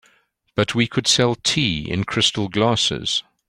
But we could sell tea in crystal glasses.